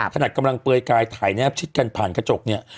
ขนาดกำลังเปลือยกายถ่ายแนบชิดกันผ่านกระจกเนี่ย